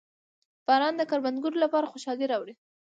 • باران د کروندګرو لپاره خوشحالي راوړي.